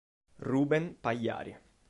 Rubén Pagliari